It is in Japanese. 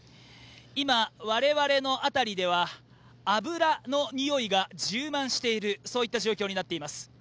今、我々の辺りでは油の臭いが充満している状況になっています。